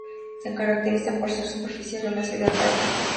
Se caracteriza por ser de superficie arenosa, ideal para practicar natación.